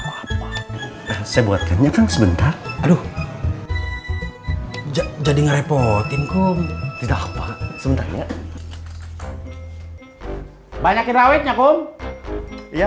apa apa saya buatnya sebentar aduh jadi ngerepotin kum tidak apa sebentaknya banyakin rawitnya kum iya